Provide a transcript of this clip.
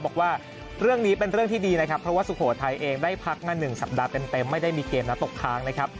บอกว่าเรื่องนี้เป็นเรื่องที่ดีนะครับเพราะว่าสุโขทัยเองได้พักมา๑สัปดาห์เต็มไม่ได้มีเกมนัดตกค้างนะครับ